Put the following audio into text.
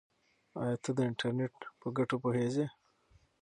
آیا ته د انټرنیټ په ګټو پوهېږې؟